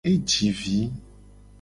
E ji vi.